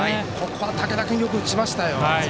ここの武田君よく打ちましたよ。